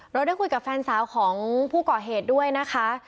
เราได้คุยกับแฟนสาวของผู้ก่อเหตุด้วยนะคะ